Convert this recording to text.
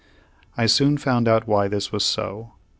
I soon found out why this was so.